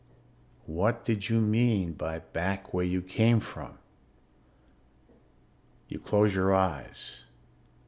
What did you mean by back where you came from? You close your eyes.